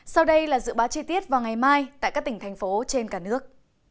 sau đây là dự báo chi tiết vào ngày mai tại các tỉnh thành phố trên cả nước